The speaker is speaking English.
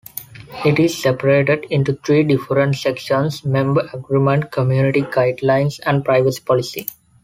It is separated into three different sections: "Member Agreement", "Community Guidelines" and "Privacy Policy".